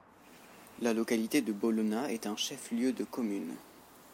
La localité de Bolona est un chef-lieu de commune.